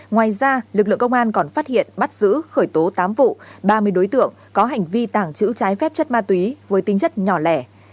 ngoài ra lực lượng công an còn phát hiện bắt giữ khởi tố tám vụ ba mươi đối tượng có hành vi tàng trữ trái phép chất ma túy với tinh chất nhỏ lẻ